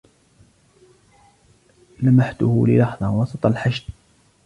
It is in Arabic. لمحته للحظة وسط الحشد